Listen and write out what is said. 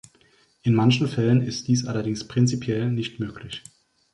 In manchen Fällen ist dies allerdings prinzipiell nicht möglich.